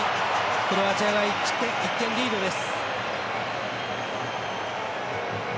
クロアチアが１点リードです。